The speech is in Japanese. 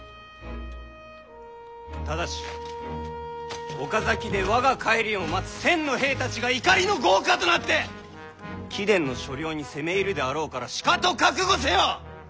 ただし岡崎で我が帰りを待つ１，０００の兵たちが怒りの業火となって貴殿の所領に攻め入るであろうからしかと覚悟せよ！